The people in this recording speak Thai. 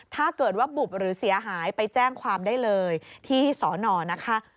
ถ้าเกิดว่าบุบหรือเสียหายไปแจ้งความได้เลยที่สอนอนะคะ